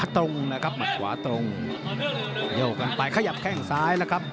ตรงขวาตรงนะครับ